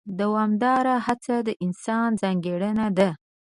دوامداره هڅه د انسان ځانګړنه ده.